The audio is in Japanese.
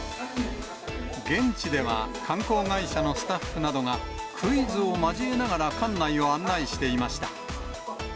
現地では観光会社のスタッフなどが、クイズを交えながら館内を案内していました。